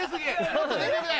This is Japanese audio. もっと全力で。